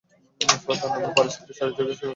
ফলে তার নামই পারসিকদের সারিতে ত্রাস সৃষ্টি করত।